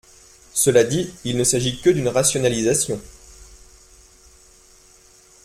Cela dit, il ne s’agit que d’une rationalisation.